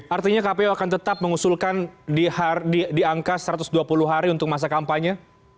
artinya kpu akan tetap mengusulkan di angka satu ratus dua puluh hari untuk masa kampanye